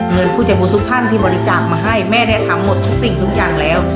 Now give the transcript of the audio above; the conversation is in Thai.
ผู้ใจบุญทุกท่านที่บริจาคมาให้แม่ได้ทำหมดทุกสิ่งทุกอย่างแล้ว